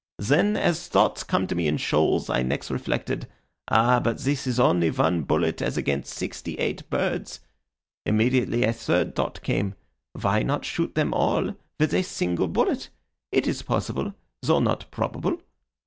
Then, as thoughts come to me in shoals, I next reflected, 'Ah but this is only one bullet as against sixty eight birds:' immediately a third thought came, 'why not shoot them all with a single bullet? It is possible, though not probable.'